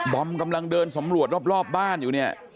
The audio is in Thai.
อมกำลังเดินสำรวจรอบบ้านอยู่เนี่ย